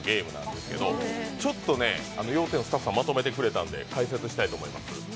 ちょっと要点をスタッフさんがまとめてくれたので、解説したいと思います。